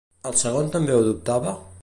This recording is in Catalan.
El segon també ho dubtava?